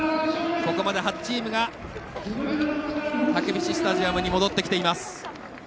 ここまで８チームがたけびしスタジアムに戻ってきています。